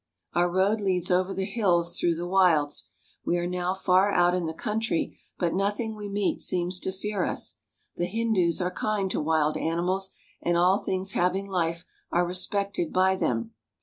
Our road leads over the hills through the wilds. We are now far out in the country, but nothing we meet seems to fear us. The Hindus are kind to wild animals, and all things having life are respected by them.